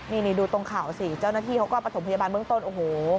นี่ดูตรงข่าวสิเจ้าหน้าที่เขาก็ประถมพยาบาลเมืองต้นโอ้โห